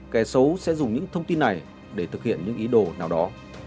kẻ xấu sẽ dùng những thông tin này để thực hiện những ý đồ nào đó